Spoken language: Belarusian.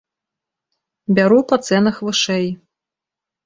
Бяру па цэнах вышэй!